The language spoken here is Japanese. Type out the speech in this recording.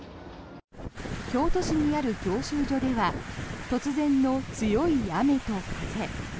京都市にある教習所では突然の強い雨と風。